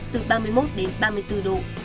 từ ba mươi một đến ba mươi bốn độ